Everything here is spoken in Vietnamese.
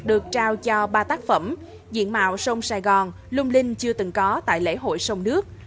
được trao cho ba tác phẩm diện mạo sông sài gòn lung linh chưa từng có tại lễ hội sông nước